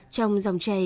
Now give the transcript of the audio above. trong dòng chày